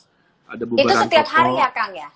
itu setiap hari ya kang ya